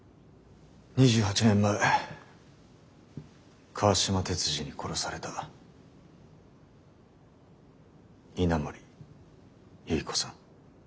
２８年前川島鉄二に殺された稲森有依子さん。